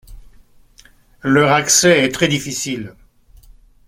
Leur accès est très difficile.